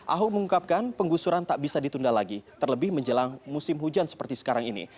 ahok mengungkapkan penggusuran tak bisa ditunda lagi terlebih menjelang musim hujan seperti sekarang ini